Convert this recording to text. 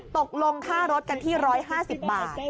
ตกลงค่ารถกันที่๑๕๐บาท